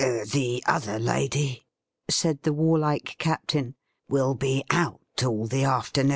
' The other' lady,' sai^ the warhke Captain, ' will be out ftillihe afternoon.'